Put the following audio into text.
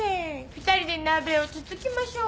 二人で鍋をつつきましょう！